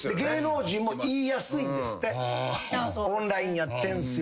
「オンラインやってんすよ」